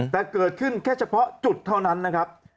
แต่เกิดขึ้นแค่เฉพาะจุดเท่านั้นนะครับ